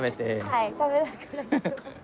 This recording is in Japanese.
はい食べながら。